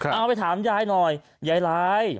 กลัวไปถามยายหน่อยยายลาย